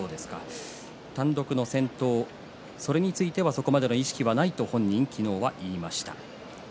単独の先頭それについてはそこまでの意識はないと本人は昨日は言っていました。